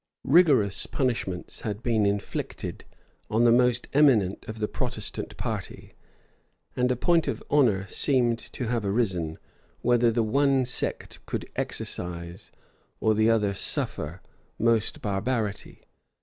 Rigorous punishments had been inflicted on the most eminent of the Protestant party; and a point of honor seemed to have arisen, whether the one sect could exercise, or the other suffer, most barbarity.